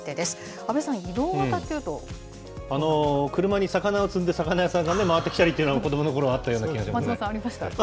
阿部さん、車に魚を積んで、魚屋さんが回ってきたりというのは、子どものころあったような気がしますね。